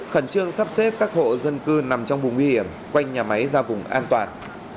khẩn trương sắp xếp các hộ dân cư nằm trong vùng nguy hiểm quanh nhà máy ra vùng an toàn